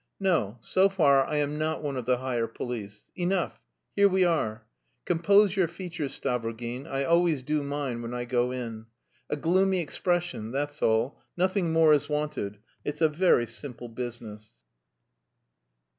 "No, so far I am not one of the higher police. Enough, here we are. Compose your features, Stavrogin; I always do mine when I go in. A gloomy expression, that's all, nothing more is wanted; it's a very simple business."